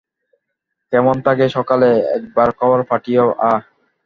কেমন থাকে সকালে একবার খবর পাঠিও, অ্যাঁ।